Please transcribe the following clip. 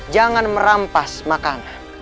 jangan merampas makanan